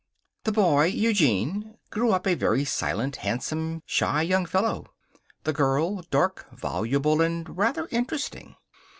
The boy, Eugene, grew up a very silent, handsome, shy young fellow. The girl, dark, voluble, and rather interesting.